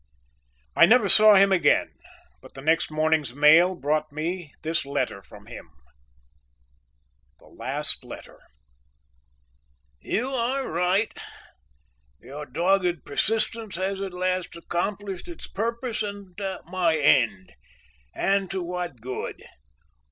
I never saw him again, but the next morning's mail brought me this letter from him: THE LAST LETTER "You are right; your dogged persistence has at last accomplished its purpose and my end, and to what good?